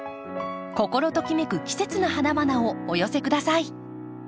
心ときめく季節の花々をお寄せください。